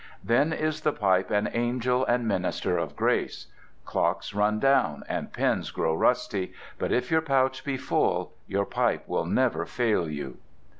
Then is the pipe an angel and minister of grace. Clocks run down and pens grow rusty, but if your pouch be full your pipe will never fail you.